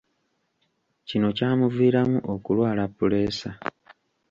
Kino kyamuviiramu okulwala puleesa.